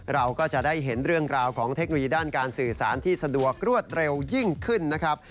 เราก็จะได้เห็นเรื่องราวของเทคโนโลยีด้านการสื่อสารที่สะดวกรวดเร็วยิ่งขึ้นนะครับ